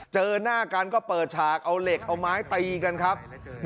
เจอหน้ากันก็เปิดฉากเอาเหล็กเอาไม้ตีกันครับ